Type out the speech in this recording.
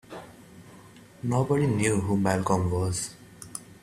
Nobody knew who Malcolm was.